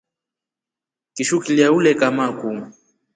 Kishu Kilya ule kama kuu.